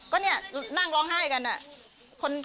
ก็เนี่ยนั่งร้องไห้กันอะ